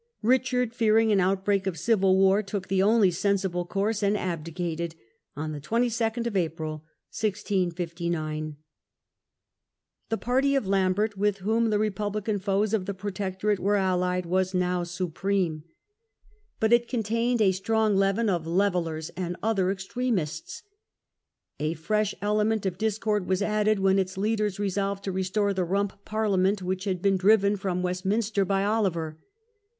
Richard, fearing an outbreak of civil war, took the only sensible course and abdicated, on the 2 2d of April, 1659. The party of Lambert, with whom the Republican foes of the Protectorate were allied, was now supreme. But 68 A CIVIL CHAOS. it contained a strong leaven of "Levellers" and other The army extremists. A fresh element of discord was ^Rump^* added when its leaders resolved to restore May, 1659! the " Rump " Parliament, which had been driven from Westminster by Oliver.